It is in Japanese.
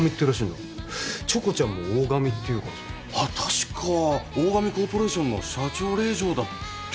確か大神コーポレーションの社長令嬢だって言ってたよね？